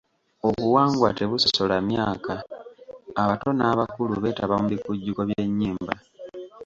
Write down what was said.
Obuwangwa tebusosola myaka: abato n'abakulu beetaba mu bikujjuko by'ennyimba.